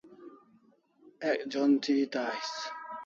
Ek jon thi eta ais